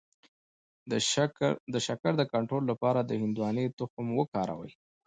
د شکر د کنټرول لپاره د هندواڼې تخم وکاروئ